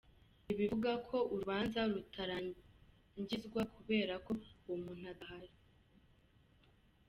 Ntibivuga ko urubanza rutarangizwa kubera ko uwo muntu adahari.